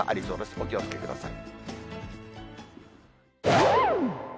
お気をつけください。